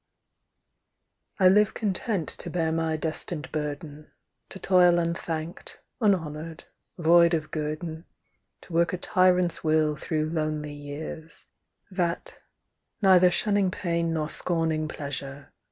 I live content to bear my destined burden, To toil unthanked, unhonoured, void of guerdon, To work a tyrant's will through lonely years ; That, neither shunning pain nor scorning pleasure.